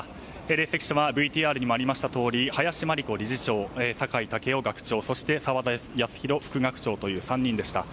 列席者はＶＴＲにもありましたとおり林真理子理事長、酒井健夫学長そして澤田康広副学長という３人でした。